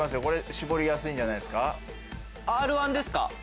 絞りやすいんじゃないですか。